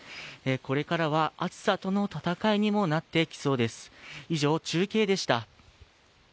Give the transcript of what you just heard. これからは暑さとの闘いにもなってきそうです。